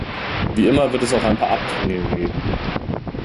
Wie immer wird es auch ein paar Abtrünnige geben.